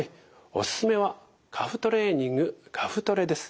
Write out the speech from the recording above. おすすめはカフ・トレーニングカフトレです。